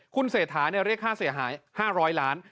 คุณเศรษฐาเรียกค่าเสียหาย๕๐๐ล้าน